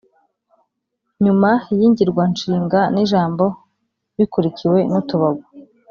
Nyuma y’ingirwanshinga n’ijambo bikurikiwe n’utubago